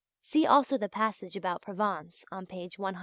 See also the passage about Provence on page 109.